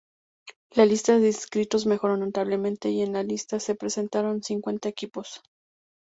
La lista de inscritos mejoró notablemente y en la isla se presentaron cincuenta equipos.